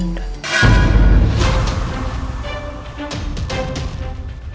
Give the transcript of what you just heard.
penyelidikan kasus roy jadi tertunda